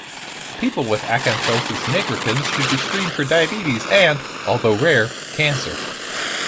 People with acanthosis nigricans should be screened for diabetes and, although rare, cancer.